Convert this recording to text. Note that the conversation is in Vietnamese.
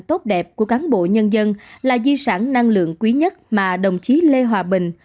tốt đẹp của cán bộ nhân dân là di sản năng lượng quý nhất mà đồng chí lê hòa bình